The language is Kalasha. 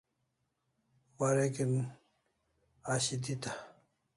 Wareg'in ashi deta